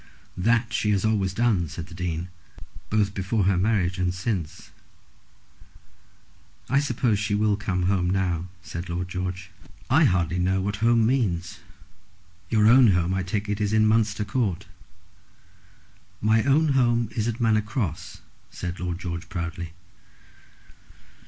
"That she has always done," said the Dean, "both before her marriage and since." "I suppose she will come home now," said Lord George. "I hardly know what home means. Your own home I take it is in Munster Court." "My own home is at Manor Cross," said Lord George, proudly.